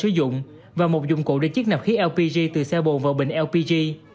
sử dụng và một dụng cụ để chiếc nạp khí lpg từ xe bồ vào bình lpg